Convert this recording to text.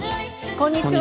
こんにちは。